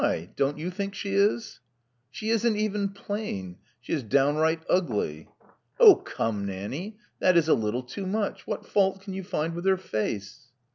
Don't you think she is?" She isn't even plain: she is downright ugly.'* ''Oh come, Nanny! That is a little too much. What fault can you find with her face?"